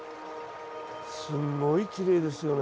すごいきれいですよね。